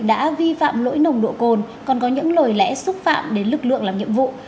đã vi phạm lỗi nồng độ cồn còn có những lời lẽ xúc phạm đến lực lượng làm nhiệm vụ